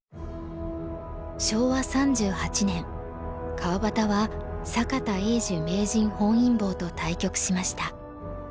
昭和３８年川端は坂田栄寿名人本因坊と対局しました。